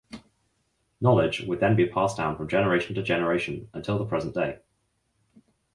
Knowledge would then be passed down from generation to generation until the present day.